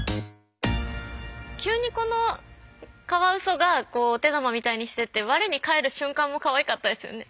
急にこのカワウソがお手玉みたいにしてて我に返る瞬間もかわいかったですよね。